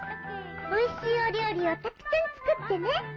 「おいしいお料理をたくさん作ってね」